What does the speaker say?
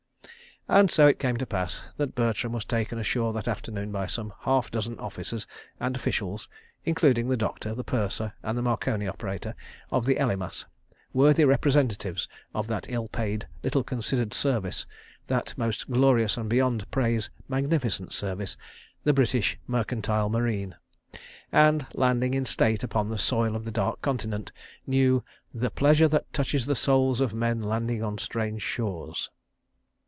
..." And so it came to pass that Bertram was taken ashore that afternoon by some half dozen officers and officials (including the doctor, the purser, and the Marconi operator) of the Elymas—worthy representatives of that ill paid, little considered service, that most glorious and beyond praise, magnificent service, the British Mercantile Marine—and, landing in state upon the soil of the Dark Continent, knew "the pleasure that touches the souls of men landing on strange shores."